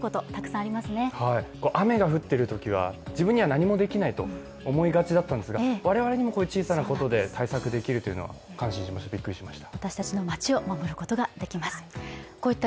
雨が降っているときは自分には何もできないと思いがちだったんですが、我々にも小さなことで対策できることはびっくりしました、感心しました。